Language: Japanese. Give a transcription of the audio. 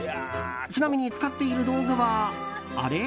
ちなみに使っている道具はあれ？